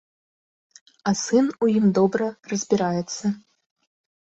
А сын у ім добра разбіраецца.